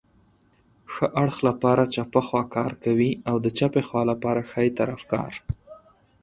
ښي اړخ لپاره چپه خواکار کوي او د چپې خوا لپاره ښی طرف کار